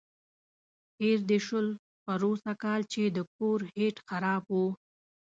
هېر دې شول پروسږ کال چې د کور هیټ خراب و.